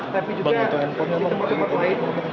tapi juga kondisi tempat tempat lain